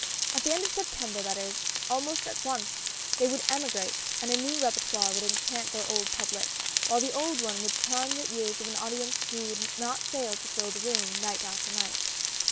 At the end of Septem ber, that is, almost at once — they would emigrate, and a new rSpertoire would enchant their old public, while the old one would charm the ears of an audience who would not fail to fill the room, night after night.